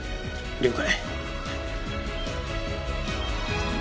了解。